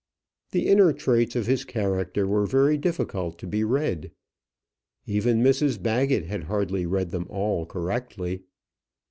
The inner traits of his character were very difficult to be read. Even Mrs Baggett had hardly read them all correctly.